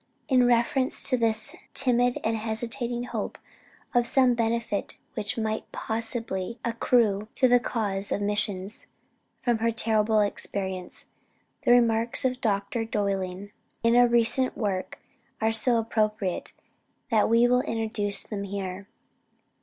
In reference to this timid and hesitating hope of some benefit which might possibly accrue to the cause of missions, from her terrible experience, the remarks of Dr. Dowling in a recent work, are so appropriate, that we will introduce them here.